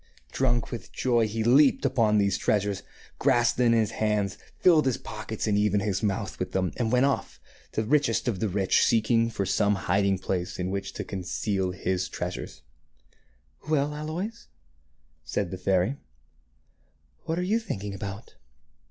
Drunk with joy, he leaped upon these treasures, grasped them in his hands, filled his pockets and even his mouth with them, and went off, the richest of the rich, seeking for some hiding place in which to conceal his treasures. " Well, Aloys," said the fairy, " what are you thinking about?